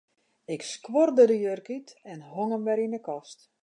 Ik skuorde de jurk út en hong him wer yn 'e kast.